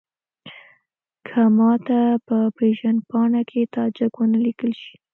که ماته په پېژندپاڼه کې تاجک ونه لیکل شي.